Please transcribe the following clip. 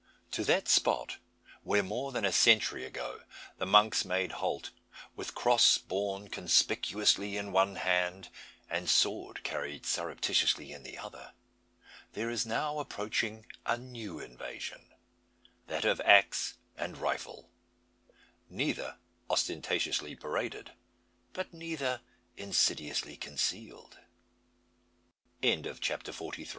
To that spot, where more than a century ago the monks made halt, with cross borne conspicuously in one hand, and sword carried surreptitiously in the other, there is now approaching a new invasion that of axe and rifle neither ostentatiously paraded, but neither insidiously concealed. CHAPTER FORTY FOUR.